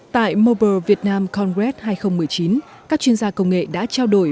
tại mobile vietnam congress hai nghìn một mươi chín các chuyên gia công nghệ đã trao đổi